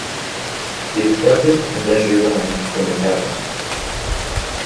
He accepted, and then resigned from the Cabinet.